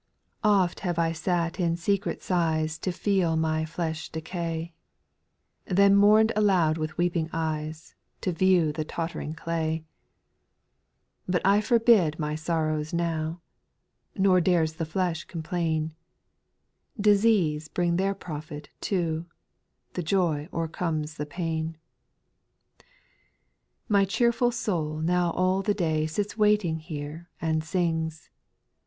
/\FT have I sat in secret sighs \j To feel my flesh decay, Then mourn'd aloud with weeping eyes. To view the tott'ring clay. 2. But I forbid my sorrows now, Nor dares the flesh complain ; Diseases bring their profit too, The joy overcomes the pain. 3. My cheerful soul now all the day Sits waiting here and sings.